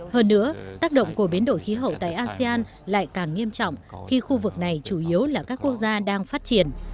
hơn nữa tác động của biến đổi khí hậu tại asean lại càng nghiêm trọng khi khu vực này chủ yếu là các quốc gia đang phát triển